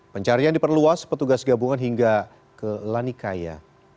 pencarian diperluas petugas gabungan hingga ke lanikaya